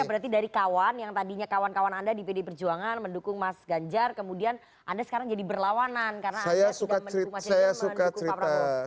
berarti dari kawan yang tadinya kawan kawan anda di pd perjuangan mendukung mas ganjar kemudian anda sekarang jadi berlawanan karena anda sudah mendukung mas ganjar mendukung pak prabowo